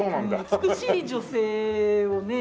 美しい女性をね